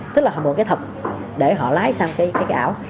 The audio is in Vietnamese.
tức là họ bộ cái thật để họ lái sang cái ảo